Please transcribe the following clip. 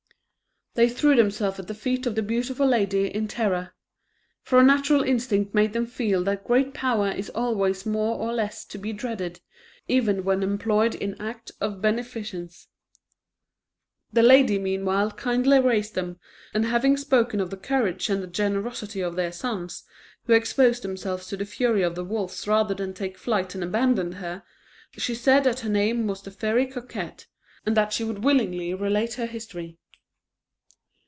They threw themselves at the feet of the beautiful lady, in terror; for a natural instinct made them feel that great power is always more or less to be dreaded, even when employed in acts of beneficence. The lady meanwhile kindly raised them, and having spoken of the courage and generosity of their sons, who exposed themselves to the fury of wolves rather than take flight and abandon her, she said that her name was the Fairy Coquette, and that she would willingly relate her history.